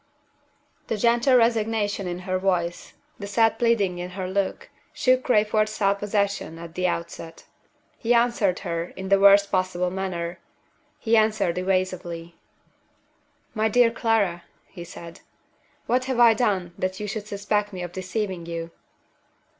The gentle resignation in her voice, the sad pleading in her look, shook Crayford's self possession at the outset. He answered her in the worst possible manner; he answered evasively. "My dear Clara," he said, "what have I done that you should suspect me of deceiving you?"